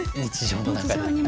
日常の中で。